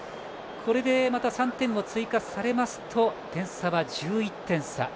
これでまた３点を追加されますと点差は１１点差。